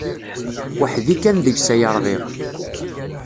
Weḥd-i kan deg-s ay rɣiɣ.